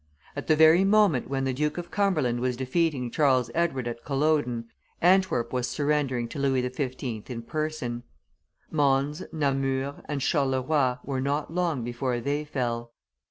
At the very moment when the Duke of Cumberland was defeating Charles Edward at Culloden, Antwerp was surrendering to Louis XV. in person: Mons, Namur, and Charleroi were not long before they fell.